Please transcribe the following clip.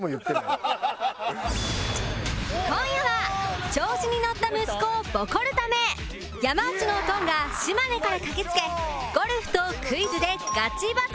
今夜は調子にのった息子をボコるため山内のオトンが島根から駆けつけゴルフとクイズでガチバトル！